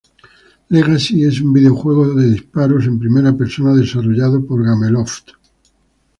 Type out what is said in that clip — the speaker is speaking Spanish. Legacy es un videojuego de disparos en primera persona desarrollado por Gameloft.